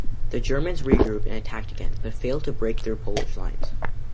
The Germans regrouped and attacked again, but failed to break through Polish lines.